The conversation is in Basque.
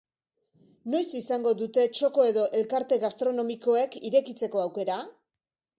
Noiz izango dute txoko edo elkarte gastronomikoek irekitzeko aukera?